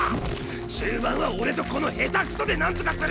中盤は俺とこの下手くそでなんとかする！